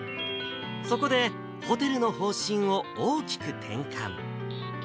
そこで、ホテルの方針を大きく転換。